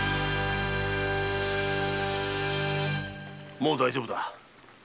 もう大丈夫だ。